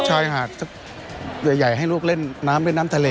ชายหาดสักใหญ่ให้ลูกเล่นน้ำเล่นน้ำทะเล